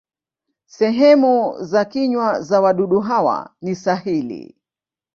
Sehemu za kinywa za wadudu hawa ni sahili.